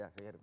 ya kayak gitu